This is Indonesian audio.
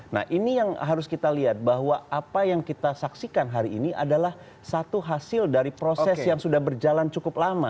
nah ini yang harus kita lihat bahwa apa yang kita saksikan hari ini adalah satu hasil dari proses yang sudah berjalan cukup lama